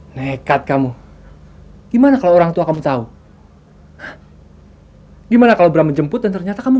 sampai jumpa di video selanjutnya